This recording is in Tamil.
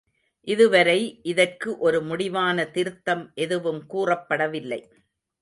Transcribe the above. இதுவரை இதற்கு ஒரு முடிவான திருத்தம் எதுவும் கூறப்படவில்லை.